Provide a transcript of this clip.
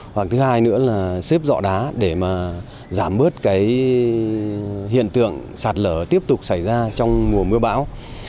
hoặc thứ hai nữa là xếp dọ đá để mà giảm bớt cái hiện tượng sạt lở tiếp tục xảy ra trong mùa mưa bão